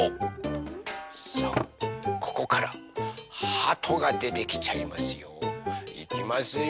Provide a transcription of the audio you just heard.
さあここからはとがでてきちゃいますよ。いきますよ。